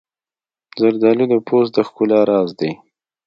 زردالو د پوست د ښکلا راز دی.